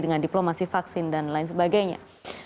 dengan diplomasi vaksin dan lain sebagainya